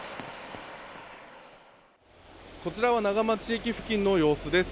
こちらは長町駅付近の様子です。